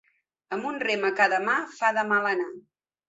Amb un rem a cada mà fa de mal anar.